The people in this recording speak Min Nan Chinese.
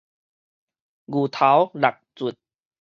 牛頭六卒